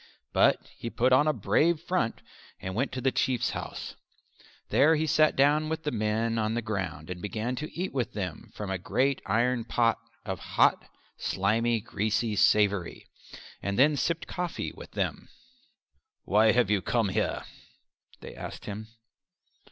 But he put on a brave front and went to the Chief's house. There he sat down with the men on the ground and began to eat with them from a great iron pot a hot, slimy, greasy savoury, and then sipped coffee with them. "Why have you come here?" they asked him.